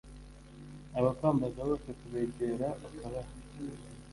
abakwambaza bose kubegera ukabaha